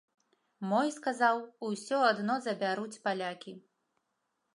Мой сказаў, усё адно забяруць палякі.